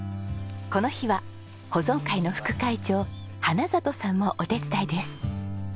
この日は保存会の副会長花里さんもお手伝いです。